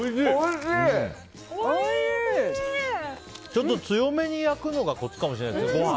ちょっと強めに焼くのがコツかもしれないですね、ご飯。